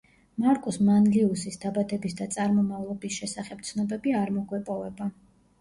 მარკუს მანლიუსის დაბადების და წარმომავლობის შესახებ ცნობები არ მოგვეპოვება.